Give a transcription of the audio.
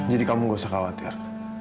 jadi kamu nggak usah khawatir